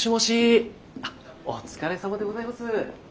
あお疲れさまでございます。